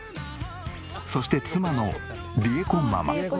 そして妻のりえこママ。